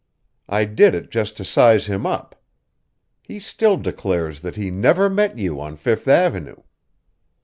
I did it just to size him up. He still declares that he never met you on Fifth Avenue.